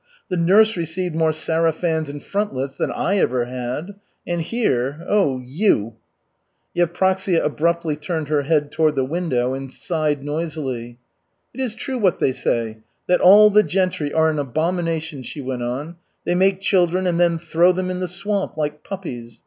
The nurse received more sarafans and frontlets than I ever had. And here oh, you!" Yevpraksia abruptly turned her head toward the window and sighed noisily. "It is true what they say, that all the gentry are an abomination," she went on. "They make children and then throw them in the swamp, like puppies.